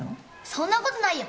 そんなことないよ。